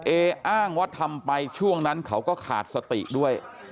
เออ้างว่าทำไปช่วงนั้นเขาก็ขาดสติด้วย